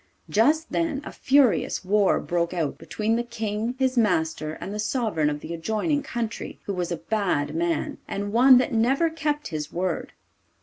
Just then a furious war broke out between the King his master and the Sovereign of the adjoining country, who was a bad man and one that never kept his word.